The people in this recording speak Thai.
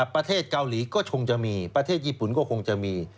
ประเทศเกาหลีก็คงจะมีประเทศญี่ปุ่นก็คงจะมี